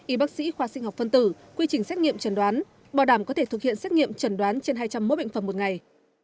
y bác sĩ khoa sinh học phân tử quy trình xét nghiệm trần đoán bảo đảm có thể thực hiện xét nghiệm trần đoán trên hai trăm linh mỗi bệnh phẩm một ngày